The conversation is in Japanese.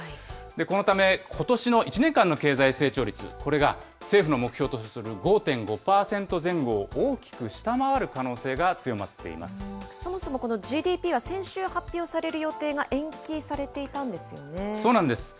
このため、ことしの１年間の経済成長率、これが政府の目標とする５．５％前後を大きく下回る可能そもそもこのＧＤＰは先週発表される予定が延期されていたんですよね。